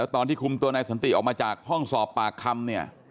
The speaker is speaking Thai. ตอนที่คุมตัวนายสันติออกมาจากห้องสอบปากคำเนี่ย